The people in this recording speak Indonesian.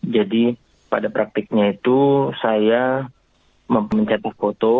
jadi pada praktiknya itu saya memencet foto